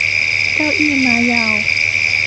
เก้าอี้ม้ายาว